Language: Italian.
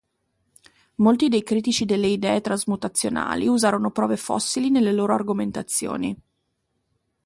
Molti dei critici delle idee trasmutazionali usarono prove fossili nelle loro argomentazioni.